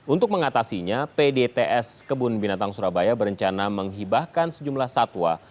untuk mengatasinya pdts kebun binatang surabaya berencana menghibahkan sejumlah satwa